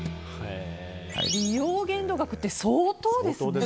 利用限度額って相当ですね。